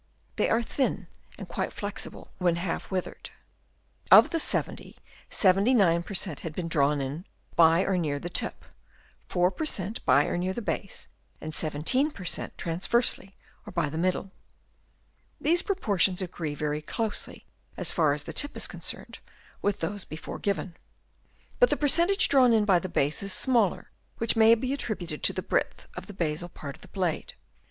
They are thin and quite flexible when half withered. Of the 70, 79 per cent, had been drawn in by or near the tip ; 4 per cent, by or near the base ; and 17 per cent, trans versely or by the middle. These proportions agree very closely, as far as the tip is con cerned, with those before given. But the per centage drawn in by the base is smaller, which may be attributed to the breadth of the basal part of the blade.